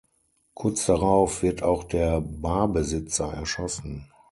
Kurz darauf wird auch der Barbesitzer erschossen.